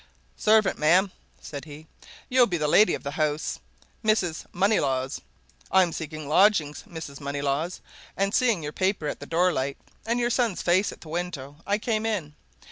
"Servant, ma'am," said he. "You'll be the lady of the house Mrs. Moneylaws. I'm seeking lodgings, Mrs. Moneylaws, and seeing your paper at the door light, and your son's face at the window, I came in.